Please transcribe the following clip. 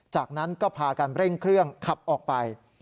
จากนั้นก็พากันเร่งเครื่องขับออกไป